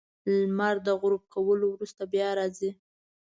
• لمر د غروب کولو وروسته بیا راځي.